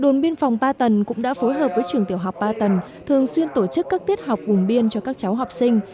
đồn biên phòng ba tầng cũng đã phối hợp với trường tiểu học ba tầng thường xuyên tổ chức các tiết học vùng biên cho các cháu học sinh